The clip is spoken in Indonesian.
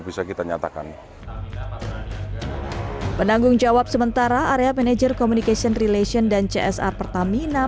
bisa kita nyatakan penanggung jawab sementara area manager communication relations dan csr pertamina